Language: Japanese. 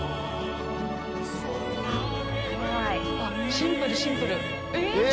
シンプルシンプル。え！